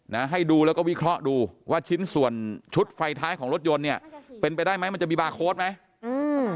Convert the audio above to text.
นะให้ดูแล้วก็วิเคราะห์ดูว่าชิ้นส่วนชุดไฟท้ายของรถยนต์เนี้ยเป็นไปได้ไหมมันจะมีบาร์โค้ดไหมอืม